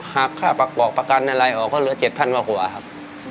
หากค่าประกอบประกันอะไรออกก็เหลือ๗๐๐กว่าครับ